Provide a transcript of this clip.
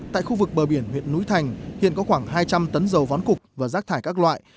tại khu vực bờ biển huyện núi thành hiện có khoảng hai trăm linh tấn dầu vón cục và rác thải các loại